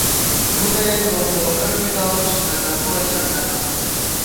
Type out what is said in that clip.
بُڈَئےگوم ڈوکہ ݫُوئی دارُوس، نہ دَرُوَہ جنَّتہ